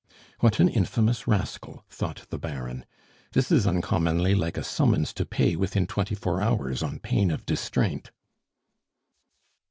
"What an infamous rascal!" thought the Baron. "This is uncommonly like a summons to pay within twenty four hours on pain of distraint."